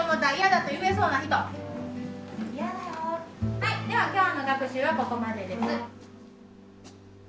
はいでは今日の学習はここまでです。